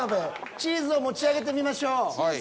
チーズを持ち上げてみましょう。